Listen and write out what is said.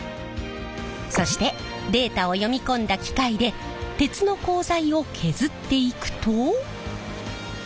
そしてデータを読み込んだ機械で鉄の鋼材を削っていくと。